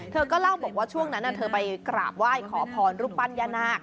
เธอก็เล่าบอกว่าช่วงนั้นเธอไปกราบไหว้ขอพรรูปปั้นย่านาค